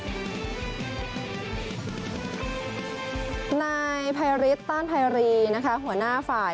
ในต้านประธานเกียรติภัย